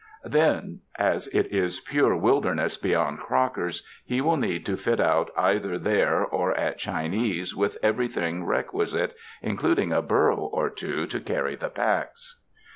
Then, as it is pure wilderness beyond Crocker's, he will need to fit out either there or at Chinese with everything requisite, including a burro or two to carry the packs.